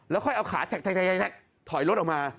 ค่อยเอาขาแท็กถอยรถออกมา